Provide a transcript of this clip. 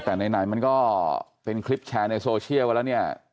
แต่ไหนมันก็เป็นคลิปแชร์ในโซเชียลกันแล้วเนี่ย